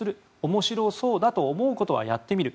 面白そうだと思うことはやってみる。